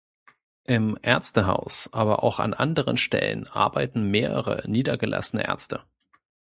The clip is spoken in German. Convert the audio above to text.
Im Ärztehaus, aber auch an anderen Stellen arbeiten mehrere niedergelassene Ärzte.